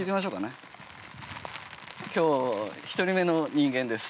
今日１人目の人間です